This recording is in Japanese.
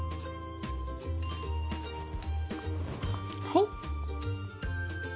はい。